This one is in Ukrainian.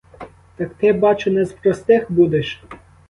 Так ти, бачу, не з простих будеш.